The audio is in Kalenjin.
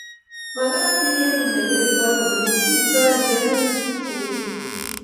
Makat iegu ne kertoi komie siistoegei lelutik che echen